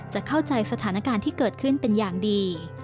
จะเข้าใจสถานการณ์ที่เกิดขึ้นเป็นอย่างดี